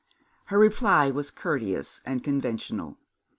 Her reply was courteous and conventional.